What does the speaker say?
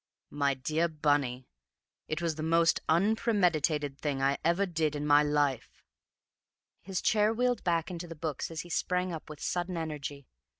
"My dear Bunny, it was the most unpremeditated thing I ever did in my life!" His chair wheeled back into the books as he sprang up with sudden energy.